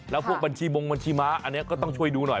แล้วพวกบัญชีบงบัญชีม้าอันนี้ก็ต้องช่วยดูหน่อย